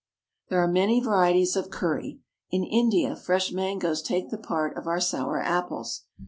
There are many varieties of curry. In India fresh mangoes take the part of our sour apples.